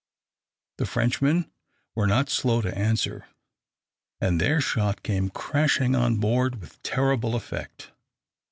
The Frenchmen were not slow to answer, and their shot came crashing on board with terrible effect.